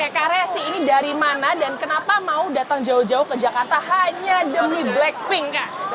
kak resi ini dari mana dan kenapa mau datang jauh jauh ke jakarta hanya demi blackpink kak